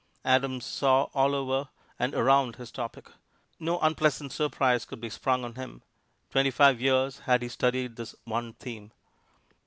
Adams saw all over and around his topic no unpleasant surprise could be sprung on him twenty five years had he studied this one theme.